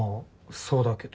そうだけど。